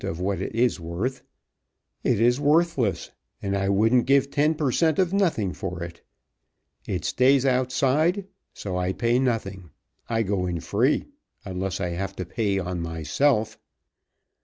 of what it is worth. It is worthless, and I wouldn't give ten per cent. of nothing for it. It stays outside. So I pay nothing. I go in free. Unless I have to pay on myself."